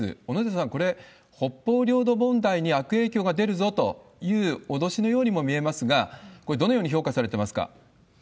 小野寺さん、これ、北方領土問題に悪影響が出るぞという脅しのようにも見えますが、これ、どのように評価されてますか？